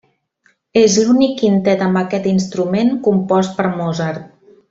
És l'únic quintet amb aquest instrument compost per Mozart.